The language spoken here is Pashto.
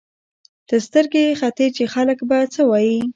ته سترګې ختې چې خلک به څه وايي.